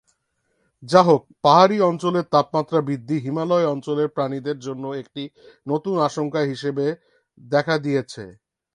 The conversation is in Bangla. যাহোক, পাহাড়ি অঞ্চলের তাপমাত্রা বৃদ্ধি হিমালয় অঞ্চলের প্রাণীদের জন্য একটি নতুন আশঙ্কা হিসাবে দেখা দিয়েছে।